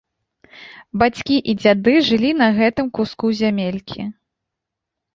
Бацькі і дзяды жылі на гэтым куску зямелькі.